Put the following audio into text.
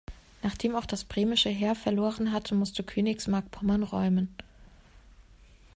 Nachdem auch das bremische Heer verloren hatte, musste Königsmarck Pommern räumen.